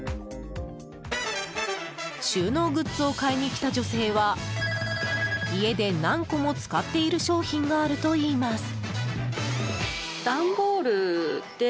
収納グッズを買いに来た女性は家で何個も使っている商品があるといいます。